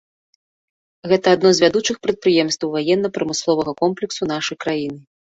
Гэта адно з вядучых прадпрыемстваў ваенна-прамысловага комплексу нашай краіны.